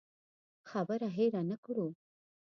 خبره هېره نه کړو.